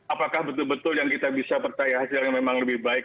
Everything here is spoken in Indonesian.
apakah betul betul yang kita bisa percaya hasilnya memang lebih baik